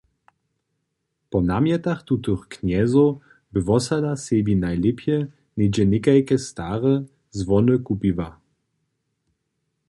Po namjetach tutych knjezow by wosada sebi najlěpje něhdźe někajke stare zwony kupiła.